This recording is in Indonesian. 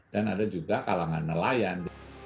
dan ada juga kalangan nelayan